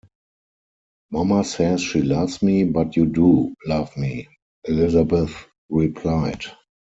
"Mama "says" she loves me, but you "do" love me," Elisabeth replied.